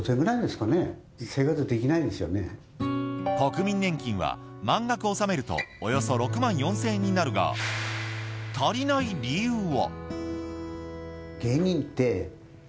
国民年金は満額納めるとおよそ６万４０００円になるが足りない理由は。